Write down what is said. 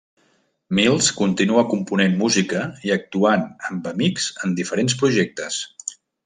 Mills continua component música i actuant amb amics en diferents projectes.